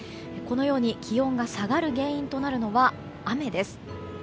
気温が下がる原因となるのは雨です。